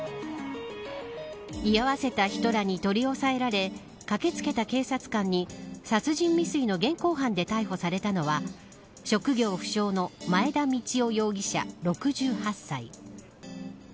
居合わせた人らに取り押さえられ駆け付けた警察官に殺人未遂の現行犯で逮捕されたのは職業不詳の前田道夫容疑者６８歳。